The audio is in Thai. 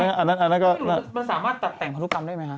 ไม่รู้มันสามารถตัดแต่งพระธุกรรมด้วยไหมค่ะ